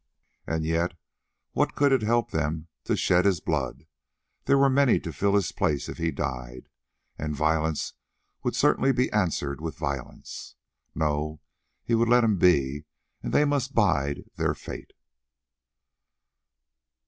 And yet, what could it help them to shed his blood? There were many to fill his place if he died, and violence would certainly be answered with violence. No, he would let him be, and they must bide their fate.